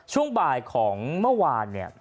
ช่วงบ่ายของเมื่อวานเนี่ย